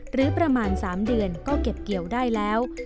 หรือประมาณ๓เดือนก็เก็บเกี่ยวได้แล้ว